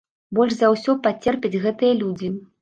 Больш за ўсё пацерпяць гэтыя людзі.